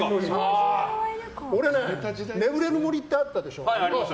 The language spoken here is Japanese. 俺ね、「眠れぬ森」ってあったでしょ？